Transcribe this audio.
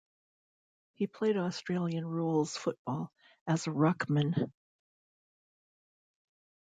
He played Australian rules football, as a ruckman.